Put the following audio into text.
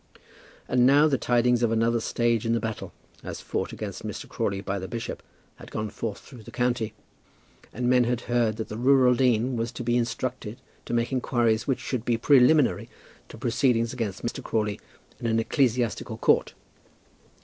And now the tidings of another stage in the battle, as fought against Mr. Crawley by the bishop, had gone forth through the county, and men had heard that the rural dean was to be instructed to make inquiries which should be preliminary to proceedings against Mr. Crawley in an ecclesiastical court.